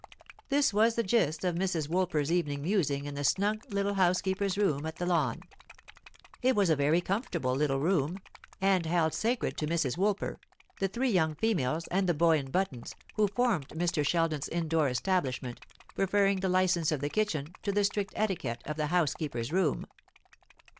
This was the gist of Mrs. Woolper's evening musing in the snug little housekeeper's room at the Lawn. It was a very comfortable little room, and held sacred to Mrs. Woolper; the three young females, and the boy in buttons, who formed Mr. Sheldon's in door establishment, preferring the license of the kitchen to the strict etiquette of the housekeeper's room.